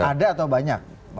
ada atau banyak